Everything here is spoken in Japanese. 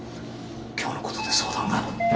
きょうのことで相談が。